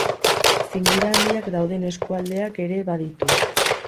Zingira handiak dauden eskualdeak ere baditu.